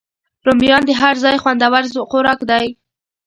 رومیان د هر ځای خوندور خوراک دی